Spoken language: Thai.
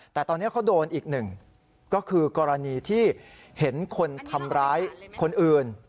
แต่ตอนนี้เขาโดนอีกหนึ่งก็คือกรณีที่เห็นคนทำร้ายคนอื่น